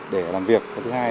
để làm việc